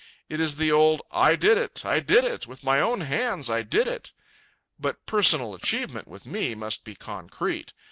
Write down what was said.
It is the old "I did it! I did it! With my own hands I did it!" But personal achievement, with me, must be concrete.